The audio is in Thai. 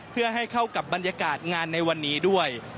เพื่อให้เข้ากับบรรยากาศงานในวันนี้ด้วย